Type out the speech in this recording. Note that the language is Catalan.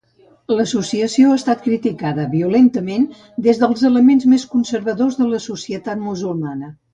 L'associació ha estat criticada violentament des dels elements més conservadors de la societat musulmana.